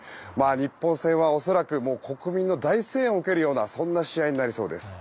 日本戦は恐らく国民の大声援を受けるような試合になりそうです。